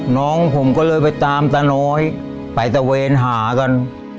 น้องผมก็เลยไปตามตาน้อยไปตะเวนหากัน